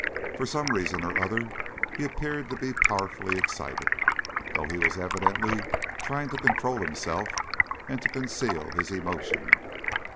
For some reason or other he appeared to be powerfully excited, though he was evidently trying to control himself and to conceal his emotion.